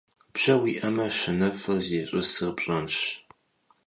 Bje vui'eme, şunefır ziş'ısır pş'enş.